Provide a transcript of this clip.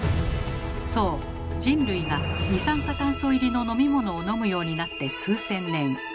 そう人類が二酸化炭素入りの飲み物を飲むようになって数千年。